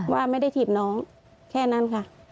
ว่าไม่ได้ถีบน้องแค่นั้นค่ะ